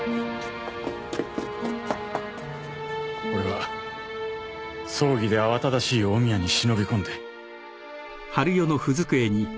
俺は葬儀で慌ただしい近江屋に忍び込んで。